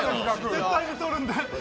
絶対に取るんで！